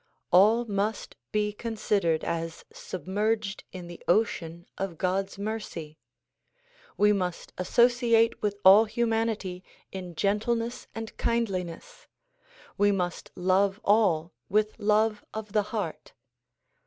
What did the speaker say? All must be considered as submerged in the ocean of God's mercy. We must associate with all humanity in gentleness and kindliness. We must love all with love of the heart.